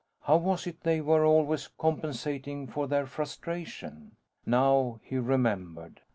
How was it they were always compensating for their frustration? Now, he remembered.